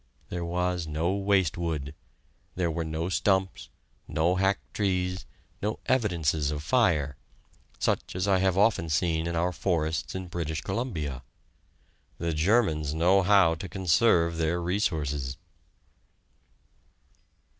There was no waste wood; there were no stumps, no hacked trees, no evidences of fire such as I have often seen in our forests in British Columbia. The Germans know how to conserve their resources!